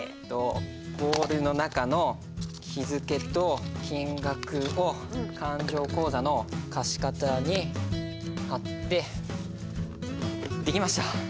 ボールの中の日付と金額を勘定口座の貸方に貼ってできました。